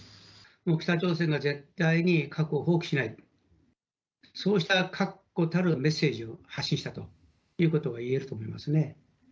北朝鮮が絶対に核を放棄しないと、そうした確固たるメッセージを発信したかったということがいえる